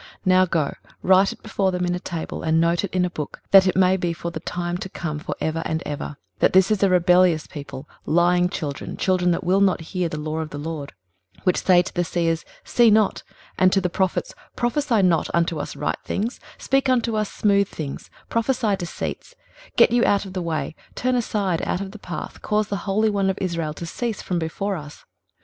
23:030:008 Now go, write it before them in a table, and note it in a book, that it may be for the time to come for ever and ever: 23:030:009 That this is a rebellious people, lying children, children that will not hear the law of the LORD: 23:030:010 Which say to the seers, See not; and to the prophets, Prophesy not unto us right things, speak unto us smooth things, prophesy deceits: 23:030:011 Get you out of the way, turn aside out of the path, cause the Holy One of Israel to cease from before us.